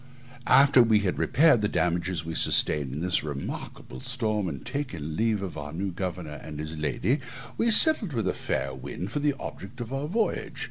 After we had repaired the damages we sustained in this remarkable storm, and taken leave of the new governor and his lady, we sailed with a fair wind for the object of our voyage.